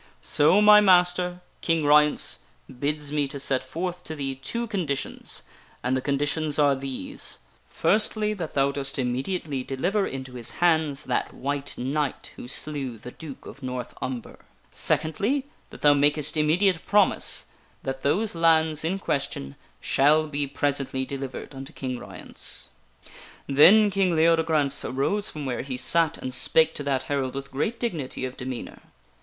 So my master, King r 3 2 THE WINNING OF A QUEEN Ryence, olds me to set forth to thee two conditions, and the conditions are these : Firstly, that thou dost immediately deliver into his hands that White Knight who slew the Duke of North Umber ; secondly, that thou makest immediate promise that those lands in question shall be presently delivered unto King Ryence." Then King Leodegrance arose from where he sat and spake to that herald with great dignity of demeanor.